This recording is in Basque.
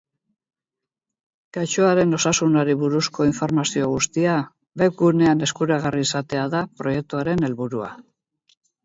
Gaixoaren osasunari buruzko informazio guztia webgunean eskuragarri izatea da proiektuaren helburua.